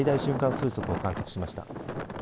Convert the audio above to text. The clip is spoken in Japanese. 風速を観測しました。